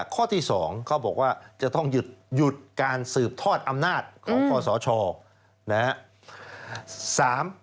ข้อที่๒เขาบอกว่าจะต้องหยุดการสืบทอดอำนาจของคอสชนะครับ